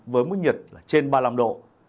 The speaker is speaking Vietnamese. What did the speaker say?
với mức nhiệt là trên ba mươi năm độ